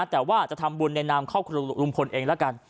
แต่ว่าจะทำบุญในนามครอบครัวลุงพลเองแล้วกัน